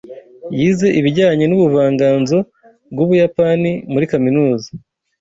Yize ibijyanye n'ubuvanganzo bw'Ubuyapani muri kaminuza.